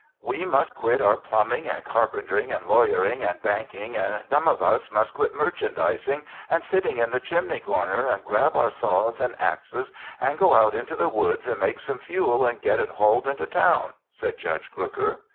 "We must quit our plumbing and carpentering and lawyering and banking and some of us must quit merchandising and sitting in the chimney corner and grab our saws and axes and go out into the woods and make some fuel and get it hauled into town," said Judge Crooker.